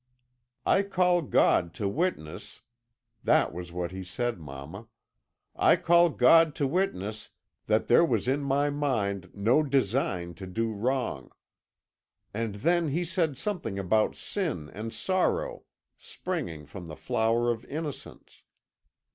"I call God to witness" that was what he said, mamma "I call God to witness that there was in my mind no design to do wrong." And then he said something about sin and sorrow springing from the flower of innocence.